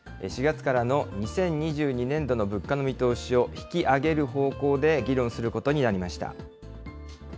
４月からの２０２２年度の物価の見通しを引き上げる方向で議論することになりました。